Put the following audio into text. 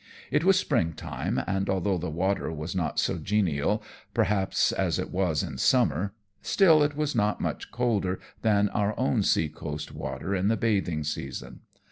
It was springtime, and although the water was not so genial perhaps as it was in summer, still it was not much colder than our own sea coast water in the bathing season.